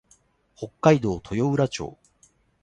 北海道豊浦町